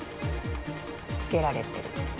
つけられてる。